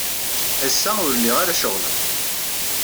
Ass-a, ur lliɣ ara ceɣleɣ.